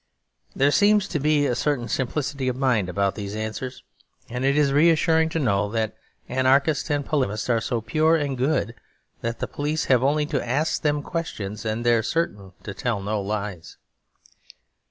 There seems to be a certain simplicity of mind about these answers; and it is reassuring to know that anarchists and polygamists are so pure and good that the police have only to ask them questions and they are certain to tell no lies.